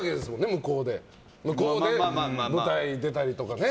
向こうで舞台出たりとかね。